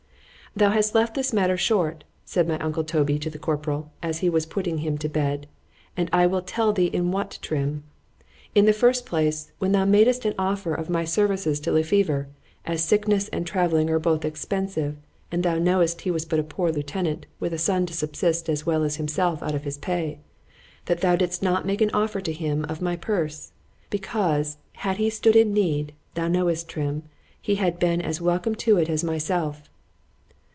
Thou hast left this matter short, said my uncle Toby to the corporal, as he was putting him to bed,——and I will tell thee in what, Trim.——In the first place, when thou madest an offer of my services to Le Fever,——as sickness and travelling are both expensive, and thou knowest he was but a poor lieutenant, with a son to subsist as well as himself out of his pay,—that thou didst not make an offer to him of my purse; because, had he stood in need, thou knowest, Trim, he had been as welcome to it as myself.